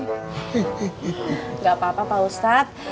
tidak apa apa pak ustadz